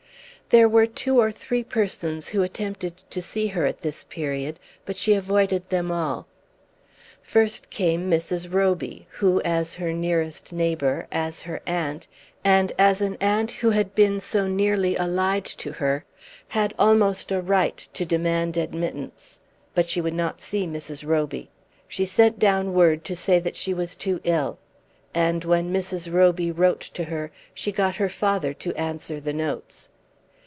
There were two or three persons who attempted to see her at this period, but she avoided them all. First came Mrs. Roby, who, as her nearest neighbour, as her aunt, and as an aunt who had been so nearly allied to her, had almost a right to demand admittance. But she would not see Mrs. Roby. She sent down word to say that she was too ill. And when Mrs. Roby wrote to her, she got her father to answer the notes.